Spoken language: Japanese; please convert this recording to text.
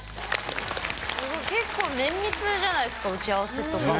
すごい結構綿密じゃないですか打ち合わせとか。